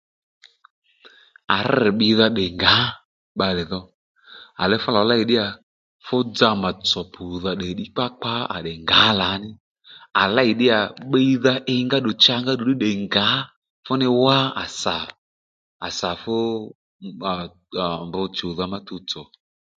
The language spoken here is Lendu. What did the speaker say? À rr̂ bbiydha tdè ngǎ bbalè dho à le fú lò lêy ddí ya fú dza mà tsò pùdha tdè ddí kpá kpá à tdè ngǎ lǎní à ley ddí yà bbiydha ingá ddù changá ddí nì ngǎ fú ni wá à sà à sà fú mbr chǔwdha mà tuwtsò